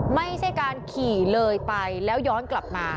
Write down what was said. ไม่ใช่การขี่เลยไปแล้วย้อนกลับมา